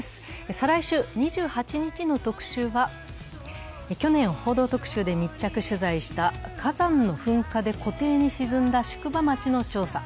再来週、２８日の特集は、去年、「報道特集」で密着取材した火山の噴火で湖底に沈んだ宿場町の調査。